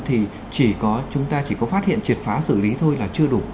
thì chúng ta chỉ có phát hiện triệt phá xử lý thôi là chưa đủ